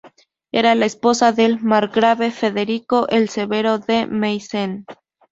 Era la esposa del margrave Federico el Severo de Meissen.